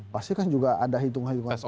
pasti kan juga ada hitungan hitungan